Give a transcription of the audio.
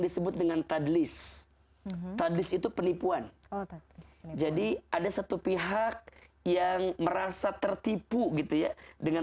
disebut dengan tadlis tadlis itu penipuan jadi ada satu pihak yang merasa tertipu gitu ya dengan